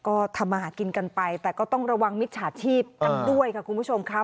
ก็ทำมาหากินกันไปแต่ก็ต้องระวังมิจฉาชีพกันด้วยค่ะคุณผู้ชมครับ